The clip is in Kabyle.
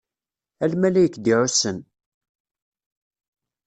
A lmalayek d-iɛussen.